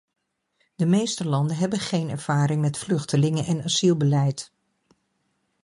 De meeste landen hebben geen ervaring met vluchtelingen- en asielbeleid.